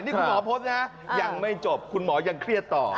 นี่คุณหมอโพสต์นะยังไม่จบคุณหมอยังเครียดต่อ